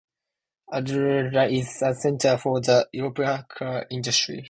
Arvidsjaur is a center for the European car industry.